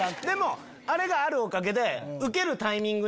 でもあれがあるおかげで。